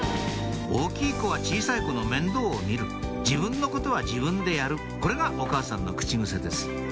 大きい子は小さい子の面倒を見る自分のことは自分でやるこれがお母さんの口癖です